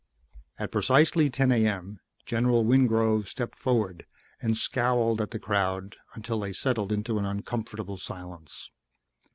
At precisely 10 a.m., General Wingrove stepped forward and scowled at the crowd until they settled into an uncomfortable silence.